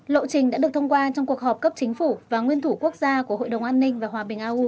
lộ trình đã được thông qua trong cuộc họp cấp chính phủ và nguyên thủ quốc gia của hội đồng an ninh và hòa bình au